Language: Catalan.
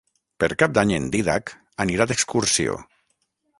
Per Cap d'Any en Dídac anirà d'excursió.